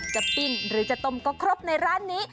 จะเป้นหรือจะต้มก็ครบในร้านรณนี้